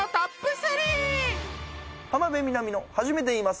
３浜辺美波の初めて言います